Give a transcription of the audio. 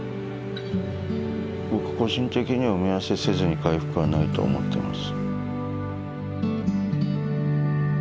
僕個人的には埋め合わせせずに回復はないと思ってます。